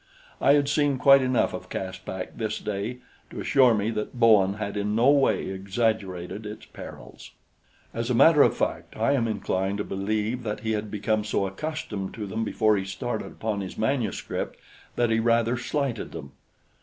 I had seen quite enough of Caspak this day to assure me that Bowen had in no way exaggerated its perils. As a matter of fact, I am inclined to believe that he had become so accustomed to them before he started upon his manuscript that he rather slighted them.